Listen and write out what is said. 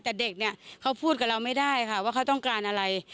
แต่เด็กเนี่ยเขาพูดกับเราไม่ได้ค่ะว่าเขาต้องการอะไร